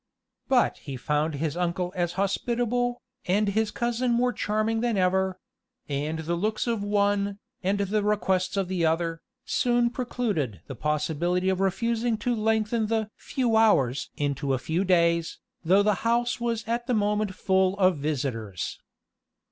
But he found his uncle as hospitable, and his cousin more charming than ever; and the looks of one, and the requests of the other, soon precluded the possibility of refusing to lengthen the "few hours" into a few days, though the house was at the moment full of visitors.